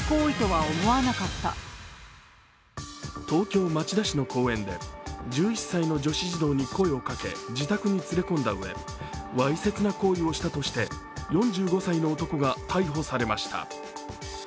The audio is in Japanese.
東京・町田市の公園で１１歳の女子児童に声をかけ自宅に連れ込んだうえ、わいせつな行為をしたとして４５歳の男が逮捕されました。